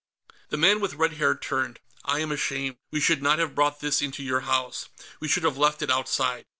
The man with red hair turned. "I am ashamed. We should not have brought this into your house; we should have left it outside."